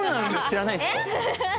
知らないですか。